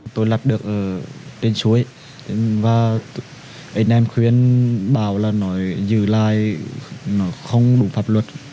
tôi lập được tên suối và anh em khuyên bảo là giữ lại không đủ pháp luật